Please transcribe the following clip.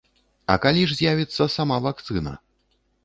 А калі ж з'явіцца сама вакцына?